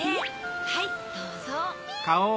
はいどうぞ。